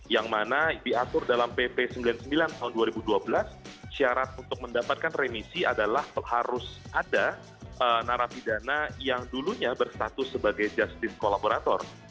yang mana diatur dalam pp sembilan puluh sembilan tahun dua ribu dua belas syarat untuk mendapatkan remisi adalah harus ada narapidana yang dulunya berstatus sebagai justice kolaborator